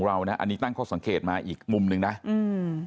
แล้วผมเป็นเพื่อนกับพระนกแต่ผมก็ไม่เคยช่วยเหลือเสียแป้ง